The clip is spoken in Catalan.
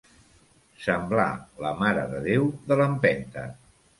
Semblar la Mare de Déu de l'Empenta.